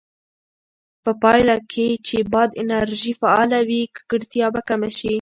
په پایله کې چې باد انرژي فعاله وي، ککړتیا به کمه شي.